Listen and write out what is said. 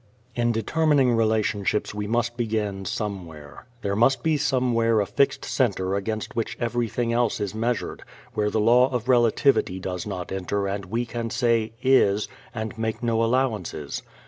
In determining relationships we must begin somewhere. There must be somewhere a fixed center against which everything else is measured, where the law of relativity does not enter and we can say "IS" and make no allowances.